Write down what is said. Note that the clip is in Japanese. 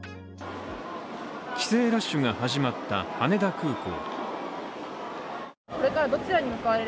帰省ラッシュが始まった羽田空港。